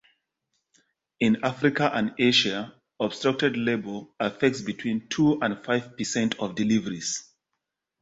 In Africa and Asia obstructed labor affects between two and five percent of deliveries.